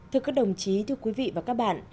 thưa các đồng chí thưa quý vị và các bạn